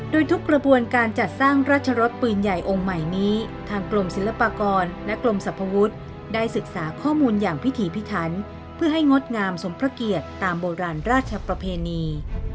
โดยทุกกระบวนการจัดสร้างราชรสปืนใหญ่องค์ใหม่นี้ทางกรมศิลปากรและกรมสรรพวุฒิได้ศึกษาข้อมูลอย่างพิถีพิถันเพื่อให้งดงามสมพระเกียรติตามโบราณราชประเพณี